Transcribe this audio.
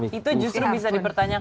itu justru bisa dipertanyakan